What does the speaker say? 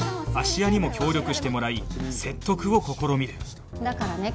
芦屋にも協力してもらい説得を試みるだからね